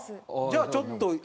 じゃあちょっと。